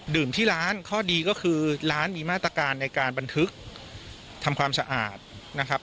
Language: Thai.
ที่ร้านข้อดีก็คือร้านมีมาตรการในการบันทึกทำความสะอาดนะครับ